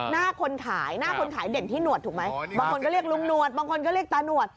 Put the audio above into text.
หน้าคนขายหน้าคนขายเด่นที่หนวดถูกไหมบางคนก็เรียกลุงหนวดบางคนก็เรียกตาหนวด